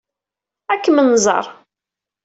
Ad kem-nẓer.